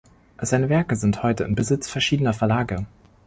Seine Werke sind heute in Besitz verschiedener Verlage.